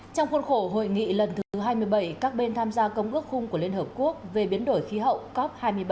trong khuôn khổ hội nghị lần thứ hai mươi bảy các bên tham gia công ước khung của liên hợp quốc về biến đổi khí hậu cop hai mươi bảy